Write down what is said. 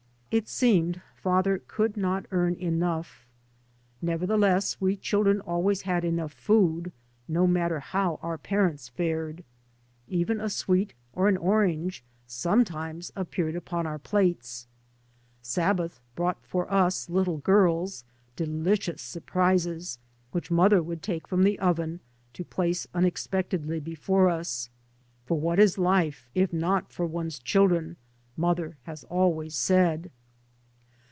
It seemed father could not earn enough. Nevertheless we children always had enough food, no matter how our parents fared. Even a sweet or an orange sometimes appeared upon our plates; Sabbath brought for us little girls delicious surprises which mother would take from the oven, to place unexpectedly before us. " For what is life if not for one's children?" mother has always said.